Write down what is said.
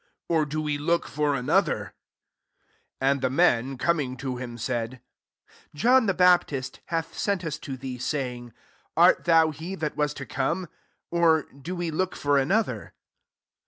or do look for another ?" 20 And men, coming to him, ^< John the Baptist hath sem to thee, saying, • Art thon i that was to come ? or do look for another